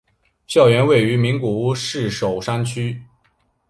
校园位于名古屋市守山区。